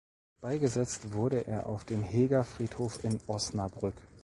Beigesetzt wurde er auf dem Heger Friedhof in Osnabrück.